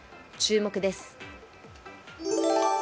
注目です。